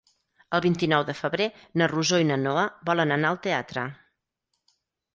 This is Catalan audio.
El vint-i-nou de febrer na Rosó i na Noa volen anar al teatre.